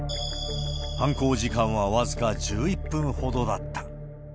犯行時間は僅か１１分ほどだった。